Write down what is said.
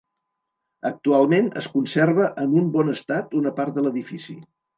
Actualment es conserva en un bon estat una part de l'edifici.